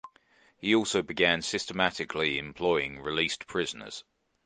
He also began systematically employing released prisoners.